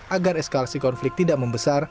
agar eskalasi konflik tidak membesar